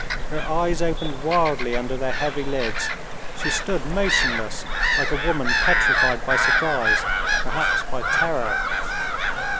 Her eyes opened wildly under their heavy lids. She stood motionless, like a woman petrified by surprise perhaps by terror.